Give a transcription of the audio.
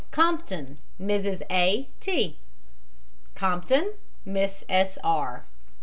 COMPTON, MRS. A. T. COMPTON, MISS S. R.